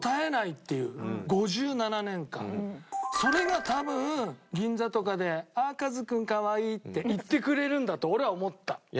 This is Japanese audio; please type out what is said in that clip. それが多分銀座とかで「ああかず君かわいい」って言ってくれるんだと俺は思った。